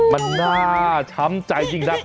มันน่าช้ำใจจริงนะ